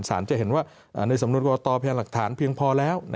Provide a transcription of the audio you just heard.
จะเห็นว่าในสำนวนวตพยายามหลักฐานเพียงพอแล้ว